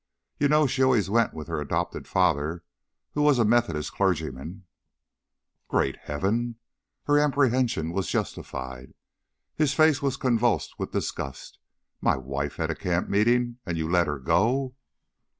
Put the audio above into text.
"You know she always went with her adopted father, who was a Methodist clergyman " "Great heaven!" Her apprehension was justified. His face was convulsed with disgust. "My wife at a camp meeting! And you let her go?"